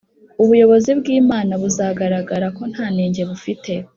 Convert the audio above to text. . Ubuyobozi bw’Imana buzagaragara ko nta nenge bufite